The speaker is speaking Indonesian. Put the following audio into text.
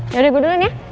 yaudah gue duluan ya